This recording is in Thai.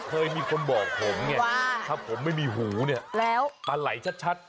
เคยมีคนบอกผมเนี่ยถ้าผมไม่มีหูเนี่ยปลาไหล้ชัดแล้ว